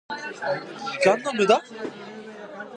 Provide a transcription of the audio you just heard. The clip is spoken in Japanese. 時間の無駄？